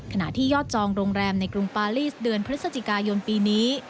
ที่ยอดจองโรงแรมในกรุงปาลีสเดือนพฤศจิกายนปีนี้